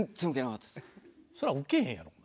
それはウケへんやろお前。